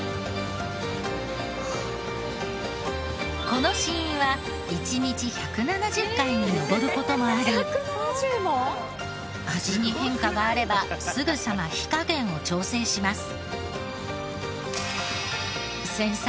この試飲は１日１７０回に上る事もあり味に変化があればすぐさま火加減を調整します。